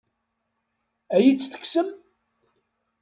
Ad iyi-tt-tekksem?